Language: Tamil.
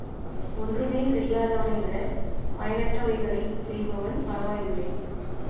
ஒன்றுமே செய்யாதவனை விட, பயனற்ற வைகளைச் செய்பவன் பரவாயில்லை.